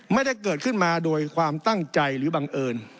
ไม่ได้เกิดขึ้นมาโดยความตั้งใจหรือบังเอิญ